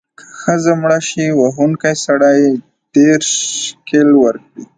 که ښځه مړه شي، وهونکی سړی دیرش شِکِل ورکړي.